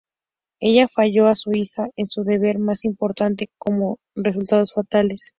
Ella falló a su hija en su deber más importante, con resultados fatales.